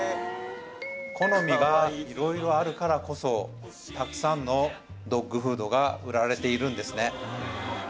好みが色々あるからこそたくさんのドッグフードが売られているんですね